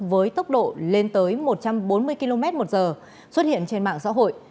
với tốc độ lên tới một trăm bốn mươi km một giờ xuất hiện trên mạng xã hội